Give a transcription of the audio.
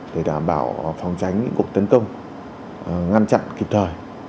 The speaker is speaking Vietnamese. để đảm bảo phòng tránh những cuộc tấn công ngăn chặn kịp thời